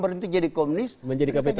berhenti jadi komunis menjadi kpk